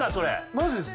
マジです。